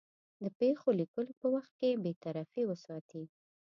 د پېښو لیکلو په وخت کې بېطرفي وساتي.